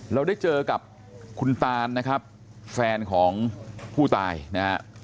เราได้เจอกับคุณตานนะครับแฟนของผู้ตายนะฮะ